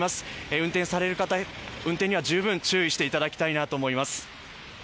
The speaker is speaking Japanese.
運転される方、運転には十分注意していただきたいなと思います。